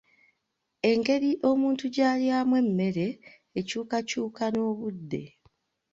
Engeri omuntu gy'alyamu emmere ekyukakyuka n'obudde.